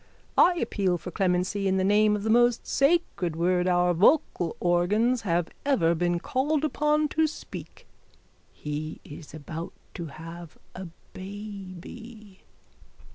I appeal for clemency in the name of the most sacred word our vocal organs have ever been called upon to speak. He is about to have a baby.